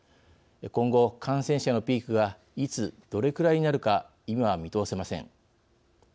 今後、感染者のピークがいつ、どれくらいになるか今は見通せません。